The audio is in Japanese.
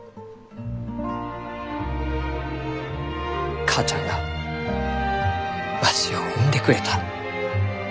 お母ちゃんがわしを生んでくれた。